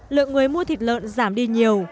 lượng người mua thịt lợn giảm đi nhiều